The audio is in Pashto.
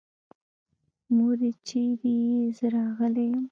مورې چېرې يې؟ زه راغلی يم.